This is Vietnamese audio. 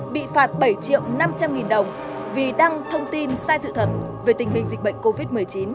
bị phạt bảy triệu năm trăm linh nghìn đồng vì đăng thông tin sai sự thật về tình hình dịch bệnh covid một mươi chín